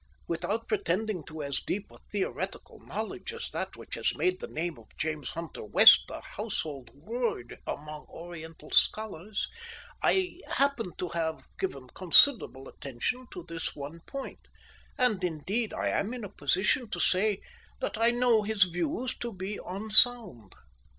Without pretending to as deep a theoretical knowledge as that which has made the name of James Hunter West a household word among Oriental scholars, I happen to have given considerable attention to this one point, and indeed I am in a position to say that I know his views to be unsound.